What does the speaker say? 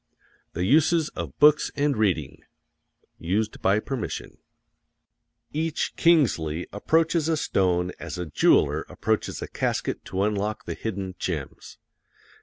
THE USES OF BOOKS AND READING Each Kingsley approaches a stone as a jeweler approaches a casket to unlock the hidden gems.